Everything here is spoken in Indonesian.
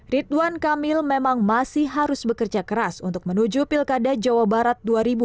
ridwan kamil memang masih harus bekerja keras untuk menuju pilkada jawa barat dua ribu delapan belas